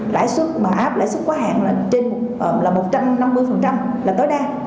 lãi suất của app lãi suất quá hạn là một trăm năm mươi là tối đa